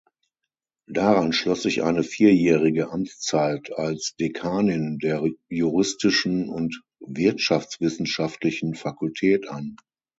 Daran schloss sich eine vierjährige Amtszeit als Dekanin der Juristischen und Wirtschaftswissenschaftlichen Fakultät an.